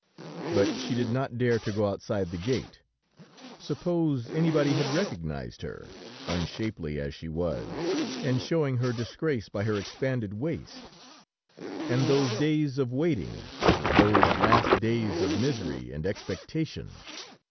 But she did not dare to go outside the gate; suppose anybody had recognized her, unshapely as she was, and showing her disgrace by her expanded waist! And those days of waiting, those last days of misery and expectation!